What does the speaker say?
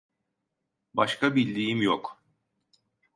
Başka bildiğim yok.